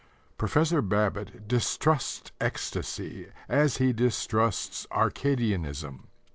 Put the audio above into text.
Professor Babbitt distrusts ecstasy as he distrusts Arcadianism.